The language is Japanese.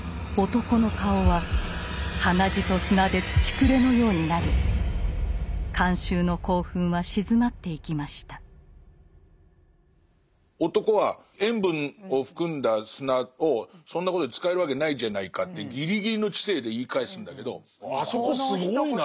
男は塩分を含んだ砂をそんなことに使えるわけないじゃないかってギリギリの知性で言い返すんだけどあそこすごいなと思って。